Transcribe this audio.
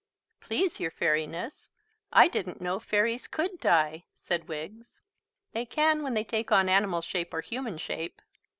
"Please, your Fairiness, I didn't know fairies could die," said Wiggs. "They can when they take on animal shape or human shape.